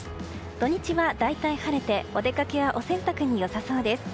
土日は大体晴れてお出かけやお洗濯に良さそうです。